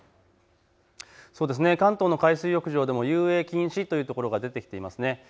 関東の海水浴場でも遊泳禁止というところが出てきています。